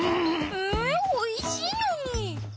えおいしいのに。